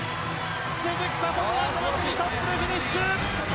鈴木聡美がこの組トップでフィニッシュ！